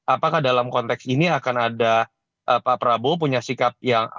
apakah dalam konteks ini akan ada pak prabowo punya sikap yang